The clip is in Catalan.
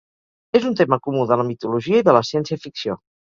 És un tema comú de la mitologia i de la ciència-ficció.